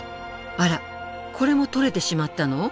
あらこれも取れてしまったの？